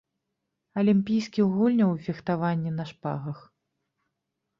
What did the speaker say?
Алімпійскіх гульняў у фехтаванні на шпагах.